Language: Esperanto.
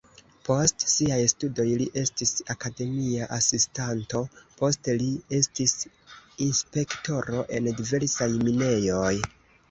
Post siaj studoj li estis akademia asistanto, poste li estis inspektoro en diversaj minejoj.